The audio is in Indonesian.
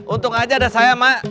untung aja ada saya mak